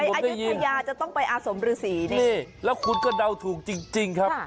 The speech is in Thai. อายุทยาจะต้องไปอาสมฤษีนี่แล้วคุณก็เดาถูกจริงครับ